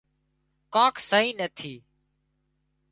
ڪوڪ سئي نٿي